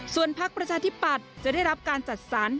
ส่วนพักประชาธิปัตย์จะได้รับการจัดสรร